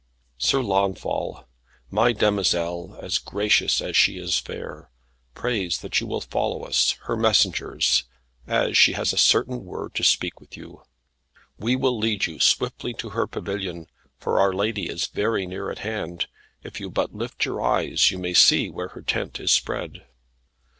"Sir Launfal, my demoiselle, as gracious as she is fair, prays that you will follow us, her messengers, as she has a certain word to speak with you. We will lead you swiftly to her pavilion, for our lady is very near at hand. If you but lift your eyes you may see where her tent is spread."